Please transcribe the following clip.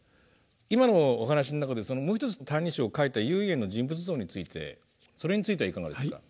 今のお話の中でもう一つ「歎異抄」を書いた唯円の人物像についてそれについてはいかがですか？